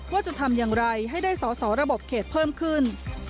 ว่าจะทำอย่างไรให้ได้สอสอระบบเขตเพิ่มขึ้น